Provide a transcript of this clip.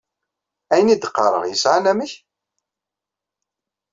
Ayen i d-qqaṛeɣ yesɛa anamek?